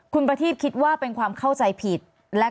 คุณประทีบขอแสดงความเสียใจด้วยนะคะ